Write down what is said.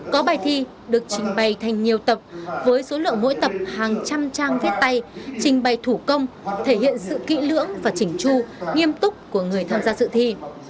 có bài thi được trình bày thành nhiều tập với số lượng mỗi tập hàng trăm trang viết tay trình bày thủ công thể hiện sự kỹ lưỡng và chỉnh chu nghiêm túc của người tham gia dự thi